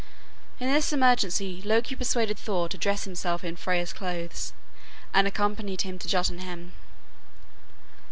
In this emergency Loki persuaded Thor to dress himself in Freya's clothes and accompany him to Jotunheim.